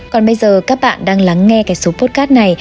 còn bây giờ các bạn đang lắng nghe cái số potart này